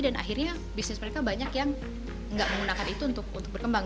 dan akhirnya bisnis mereka banyak yang nggak menggunakan itu untuk berkembang